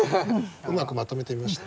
うまくまとめてみました。